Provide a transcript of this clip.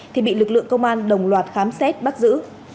thì bị lực lượng công an đồng loạt khám xét bắt giữ